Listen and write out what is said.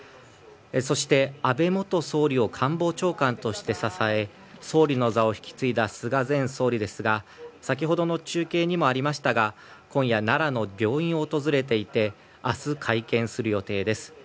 そして、安倍元総理を官房長官として支え総理の座を引き継いだ菅前総理ですが先ほどの中継にもありましたが今夜奈良の病院を訪れていて明日、会見する予定です。